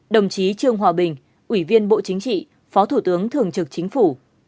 một mươi đồng chí trương hòa bình ủy viên bộ chính trị phó thủ tướng thường trực chính phủ